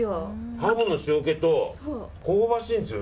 ハムの塩気と香ばしいんですよね。